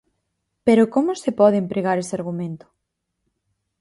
Pero ¡como se pode empregar ese argumento!